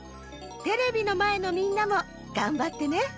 テレビのまえのみんなもがんばってね。